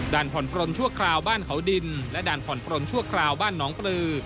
ผ่อนปลนชั่วคราวบ้านเขาดินและด่านผ่อนปลนชั่วคราวบ้านน้องปลือ